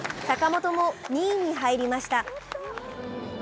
坂本も２位に入りました。